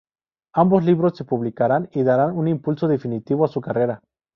Ambos libros se publicarán y darán un impulso definitivo a su carrera.